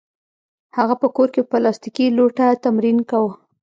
هغه په کور کې په پلاستیکي لوټه تمرین کاوه